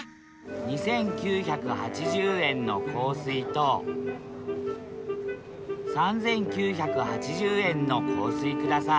２，９８０円の香水と３，９８０円の香水ください